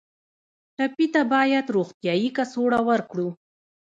ټپي ته باید روغتیایي کڅوړه ورکړو.